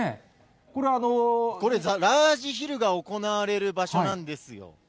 これ、ラージヒルが行われる場所なんですよ。